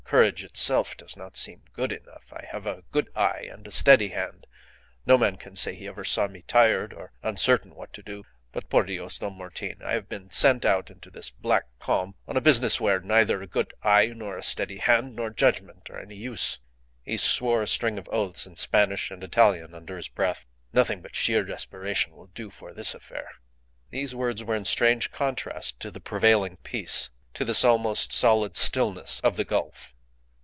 Courage itself does not seem good enough. I have a good eye and a steady hand; no man can say he ever saw me tired or uncertain what to do; but por Dios, Don Martin, I have been sent out into this black calm on a business where neither a good eye, nor a steady hand, nor judgment are any use. ..." He swore a string of oaths in Spanish and Italian under his breath. "Nothing but sheer desperation will do for this affair." These words were in strange contrast to the prevailing peace to this almost solid stillness of the gulf.